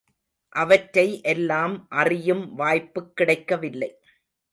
அவற்றை எல்லாம் அறியும் வாய்ப்புக் கிடைக்கவில்லை.